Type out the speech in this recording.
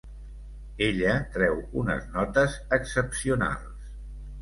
Ella treu unes notes excepcionals.